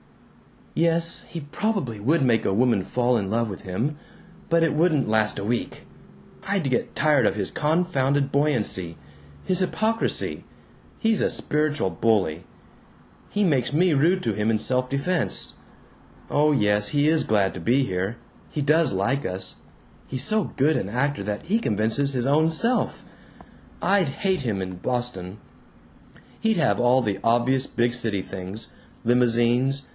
"Yes. He probably would make a woman fall in love with him. But it wouldn't last a week. I'd get tired of his confounded buoyancy. His hypocrisy. He's a spiritual bully. He makes me rude to him in self defense. Oh yes, he is glad to be here. He does like us. He's so good an actor that he convinces his own self. ... I'd HATE him in Boston. He'd have all the obvious big city things. Limousines.